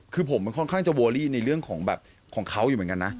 คือผมมันค่อนข้างจะเวอรี่ในเรื่องของแบบของเขาอยู่เหมือนกันนะ